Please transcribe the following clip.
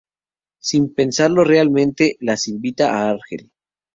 Sin pensarlo realmente, las invita a Argel.